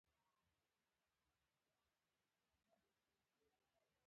د افغانستان واردات څه دي؟